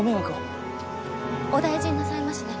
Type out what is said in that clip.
お大事になさいましね。